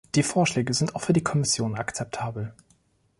Die Vorschläge sind auch für die Kommission akzeptabel.